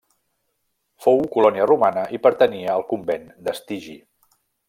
Fou colònia romana i pertanyia al convent d'Astigi.